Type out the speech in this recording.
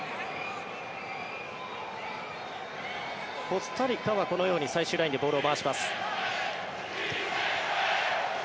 コスタリカはこのように最終ラインでボールを回します。